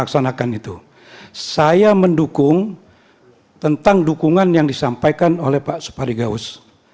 saya mendukung tentang dukungan yang disampaikan oleh pak supari gaus